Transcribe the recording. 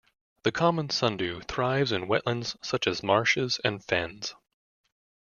The common sundew thrives in wetlands such as marshes and fens.